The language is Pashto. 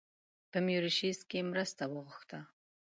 په میوریشیس کې مرسته وغوښته.